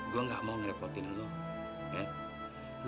gue gak mau ngerekontin lo ya